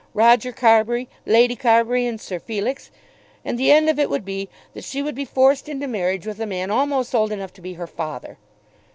Roger Carbury, Lady Carbury, and Sir Felix; and the end of it would be that she would be forced into marriage with a man almost old enough to be her father!